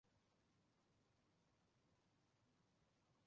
他现在效力于澳超球队纽卡素喷射机。